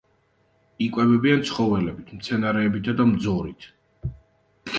იკვებებიან ცხოველებით, მცენარეებითა და მძორით.